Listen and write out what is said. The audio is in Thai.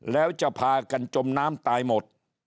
แล้วจะพากันจมน้ำตายหมด